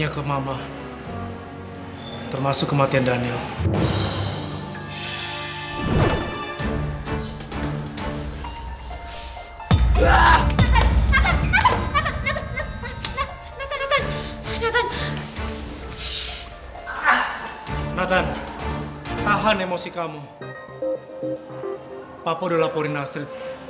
papa udah laporin astrid